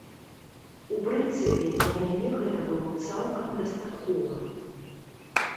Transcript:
У прынцыпе, для мяне гэта было цалкам дастаткова.